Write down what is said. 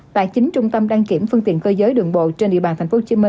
tại chính trung tâm đăng kiểm phương tiện cơ giới đường bộ trên địa bàn tp hcm